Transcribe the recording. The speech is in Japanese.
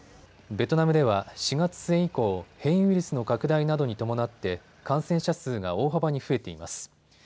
ベトナムでは４月末以降、変異ウイルスの拡大などに伴って感染者数が大幅に増えています。